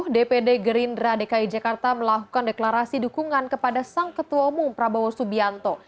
dpd gerindra dki jakarta melakukan deklarasi dukungan kepada sang ketua umum prabowo subianto